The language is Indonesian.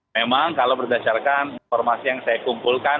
memang kalau berdasarkan informasi yang saya kumpulkan